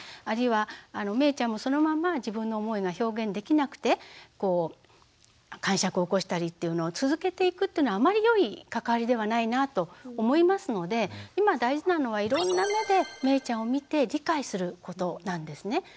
あるいはめいちゃんもそのまま自分の思いが表現できなくてかんしゃくを起こしたりっていうのを続けていくっていうのはあんまり良い関わりではないなと思いますので今大事なのはいろんな目でめいちゃんを見て理解することなんですね。